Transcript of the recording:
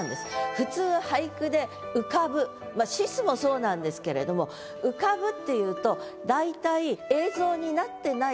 普通俳句で「浮かぶ」「死す」もそうなんですけれども「浮かぶ」っていうと大体。